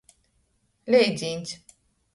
Leidzīņs.